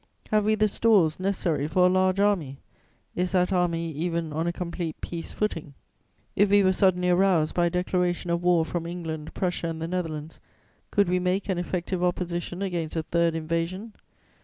Have we the stores necessary for a large army? Is that army even on a complete peace footing? If we were suddenly aroused by a declaration of war from England, Prussia and the Netherlands, could we make an effective opposition against a third invasion?